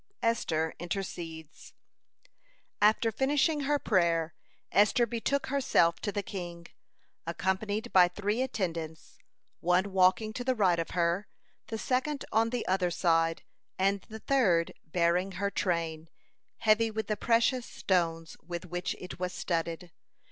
(143) ESTHER INTERCEDES After finishing her prayer, Esther betook herself to the king, accompanied by three attendants, one walking to the right of her, the second on the other side, and the third bearing her train, heavy with the precious stones with which it was studded.